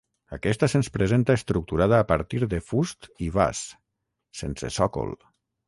Aquesta se'ns presenta estructurada a partir de fust i vas, sense sòcol.